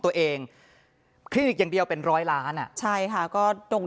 ตัวเองคลินิกอย่างเดียวเป็นร้อยล้านอ่ะใช่ค่ะก็ตรง